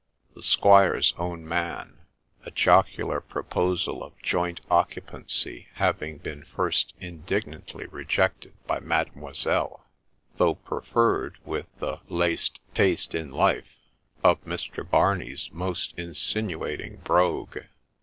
the squire's own man : a jocular proposal of joint occupancy having been first indignantly re jected by ' Mademoiselle,' though preferred with the ' laste taste in life ' of Mr. Barney's most insinuating brogue.